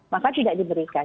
maka tidak diberikan